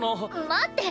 待って！